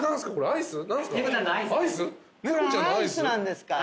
アイスなんですか。